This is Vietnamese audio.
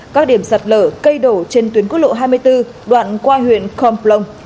các điểm sạt lở cây đổ trên tuyến quốc lộ hai mươi bốn đoạn qua huyện komp long